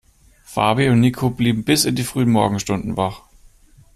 Fabi und Niko blieben bis in die frühen Morgenstunden wach.